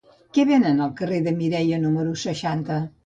Què venen al carrer de Mireia número seixanta?